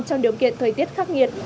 trong điều kiện thời tiết khác nghiệt